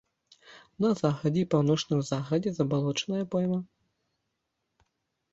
На захадзе і паўночным захадзе забалочаная пойма.